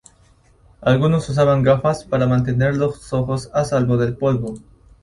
Algunos usaban gafas para mantener los ojos a salvo del polvo.